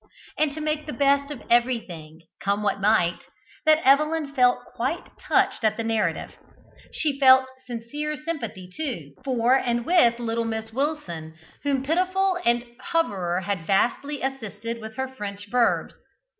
and to make the best of everything, come what might, that Evelyn felt quite touched at the narrative. She felt sincere sympathy, too, for and with little Miss Wilson, whom Pitiful and Hoverer had vastly assisted with her French verbs.